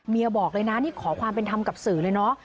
บอกเลยนะนี่ขอความเป็นธรรมกับสื่อเลยเนาะ